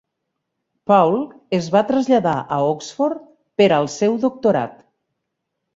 Paul es va traslladar a Oxford per al seu doctorat.